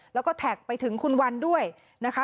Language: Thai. แล้วก็แท็กไปถึงคุณวันด้วยนะคะ